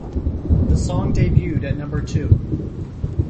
The song debuted at number two.